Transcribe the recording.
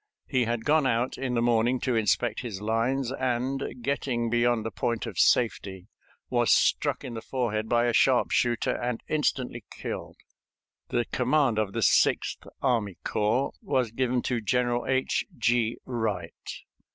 He had gone out in the morning to inspect his lines, and, getting beyond the point of safety, was struck in the forehead by a sharpshooter and instantly killed. The command of the Sixth Army Corps was given to General H. G. Wright.